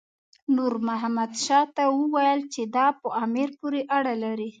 نور محمد شاه ته وویل چې دا په امیر پورې اړه لري.